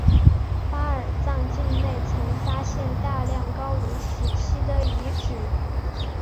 巴尔藏境内曾发现大量高卢时期的遗址。